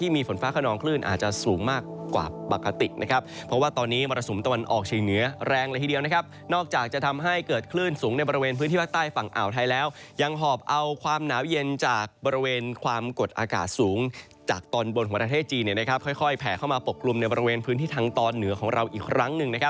มากกว่าปกตินะครับเพราะว่าตอนนี้มรสุมตะวันออกชีวิตเหนือแรงเลยทีเดียวนะครับนอกจากจะทำให้เกิดคลื่นสูงในบริเวณพื้นที่ภาคใต้ฝั่งอ่าวไทยแล้วยังหอบเอาความหนาวเย็นจากบริเวณความกดอากาศสูงจากตอนบนของประเทศจีนเนี่ยนะครับค่อยแผ่เข้ามาปกลุ่มในบริเวณพื้นที่ทางตอนเหนือของเราอ